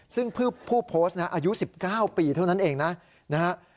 ซึ่งผู้โพสต์นะอายุ๑๙ปีเท่านั้นเองนะนะฮะ